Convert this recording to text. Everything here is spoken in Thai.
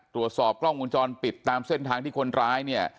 ตรวจสอบกล้องวงจรปิดตามเส้นทางที่คนร้ายเนี่ย